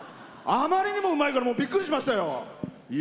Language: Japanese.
あまりにも、うまいからびっくりしましたよ。